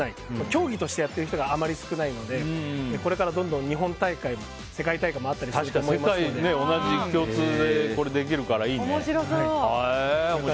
競技としてやってる人があんまり少ないのでこれからどんどん日本大会も世界大会もあったりすると確かに世界共通でできるから面白そう。